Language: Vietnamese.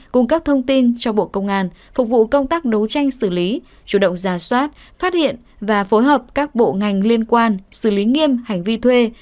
cung cấp thông tin cho bộ công an phục vụ công tác đấu tranh xử lý chủ động ra soát phát hiện và phối hợp các bộ ngành liên quan xử lý nghiêm hành vi thuê